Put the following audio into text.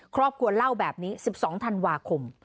ครอบครัวเล่าแบบนี้๑๒ธันวาคม